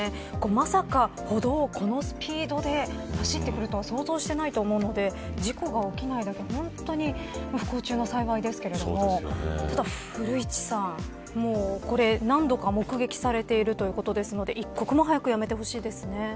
まさか歩道をこのスピードで走ってくるとは想像していないので事故が起きないことは不幸中の幸いですが古市さん、何度か目撃されているということなので一刻も早くやめてほしいですね。